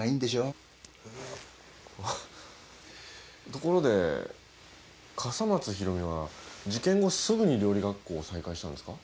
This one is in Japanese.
ところで笠松ひろみは事件後すぐに料理学校を再開したんですか？